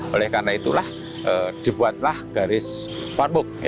oleh karena itulah dibuatlah garis fatmuk